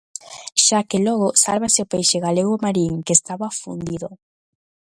Xa que logo, sálvase o Peixegalego Marín, que estaba afundido.